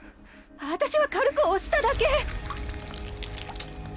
あたしは軽く押しただけ。